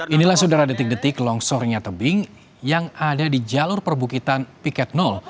inilah saudara detik detik longsornya tebing yang ada di jalur perbukitan piket nol